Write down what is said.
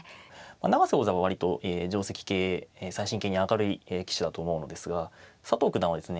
永瀬王座は割と定跡形最新型に明るい棋士だと思うのですが佐藤九段はですね